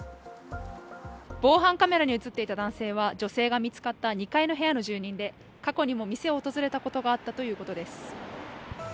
防犯カメラに映っていた男性は、女性が見つかった２階の部屋の住人で、過去にも店を訪れたことがあったということです。